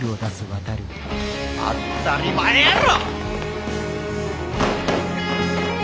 当ったり前やろ！